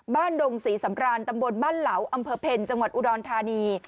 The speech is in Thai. ดงศรีสำรานตำบลบ้านเหลาอำเภอเพ็ญจังหวัดอุดรธานี